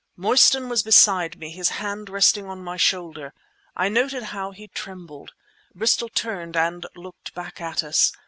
Mostyn was beside me, his hand resting on my shoulder. I noted how he trembled. Bristol turned and looked back at us.